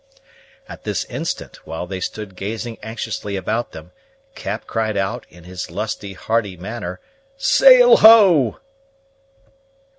At this instant, while they stood gazing anxiously about them, Cap cried out, in his lusty, hearty manner, "Sail, ho!"